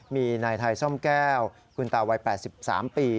มีนายไทยส้มแก้วคุณตาวัย๘๓ปี